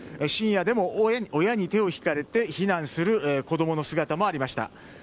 深夜でも、親に手を引かれて避難する子供の姿もありました。